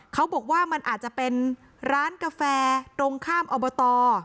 เขาบอกว่ามันอาจจะเป็นร้านกาแฟตรงข้ามอบต